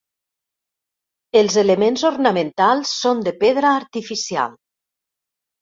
Els elements ornamentals són de pedra artificial.